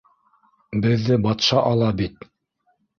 Беҙҙе батша ала бит.